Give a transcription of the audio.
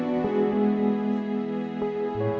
ibu mau lihat